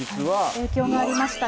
影響がありました。